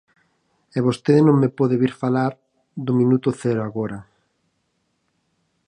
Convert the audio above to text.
E vostede non me pode vir falar do minuto cero agora.